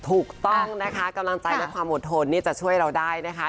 ถูกต้องนะคะกำลังใจและความอดทนนี่จะช่วยเราได้นะคะ